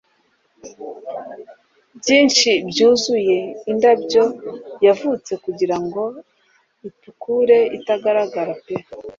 Byinshi byuzuye indabyo yavutse kugirango itukure itagaragara pe